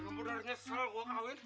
bener bener nyesel gua kawin